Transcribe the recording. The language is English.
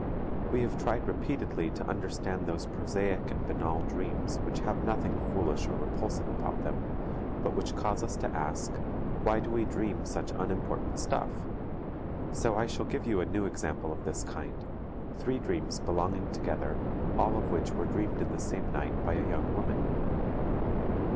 We have tried repeatedly to understand those prosaic and banal dreams which have nothing foolish or repulsive about them, but which cause us to ask: "Why do we dream such unimportant stuff?" So I shall give you a new example of this kind, three dreams belonging together, all of which were dreamed in the same night by a young woman.